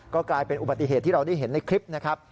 ก็กลายเป็นอุบัติเหตุที่เราได้เห็นในคลิปนะครับ